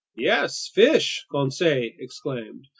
"Yes! Fish!" Conseil exclaimed.